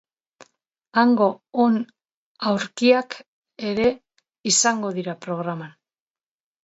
Hango on aurkiak ere izango dira programan.